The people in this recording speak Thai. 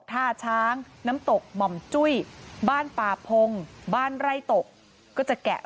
ท่าช้างน้ำตกหม่อมจุ้ยบ้านป่าพงบ้านไร่ตกก็จะแกะ